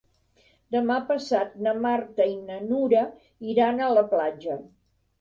Demà passat na Marta i na Nura aniran a la platja.